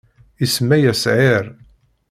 isemma-yas Ɛir.